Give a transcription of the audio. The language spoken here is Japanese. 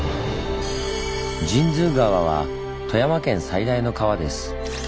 神通川は富山県最大の川です。